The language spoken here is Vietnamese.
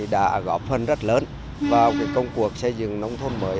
đã góp phần rất lớn vào công cuộc xây dựng nông thôn mới